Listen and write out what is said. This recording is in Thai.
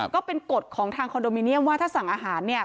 ก็เป็นกฎของทางคอนโดมิเนียมว่าถ้าสั่งอาหารเนี่ย